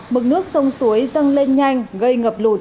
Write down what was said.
mực nước sông suối dâng lên nhanh gây ngập lụt